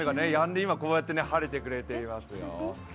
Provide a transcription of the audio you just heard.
雨こうやって晴れてくれていますよ。